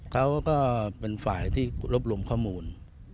เขาก็เป็นฝ่ายที่รบรวมข้อมูล